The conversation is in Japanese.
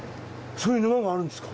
そういう沼があるんですか？